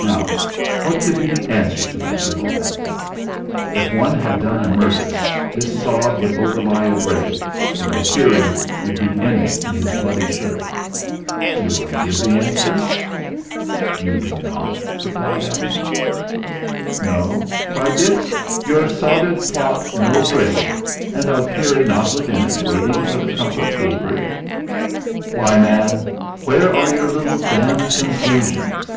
Now, what could be the answer to that riddle, Abner? If one had done a murder this sod would overlie a grave and Alkire would be in it in his bloody shirt. Do I give the answer?" "You do not," replied Abner. "No!" cried Dix. "Your sodded plot no grave, and Alkire not within it waiting for the trump of Gabriel! Why, man, where are your little damned conclusions?"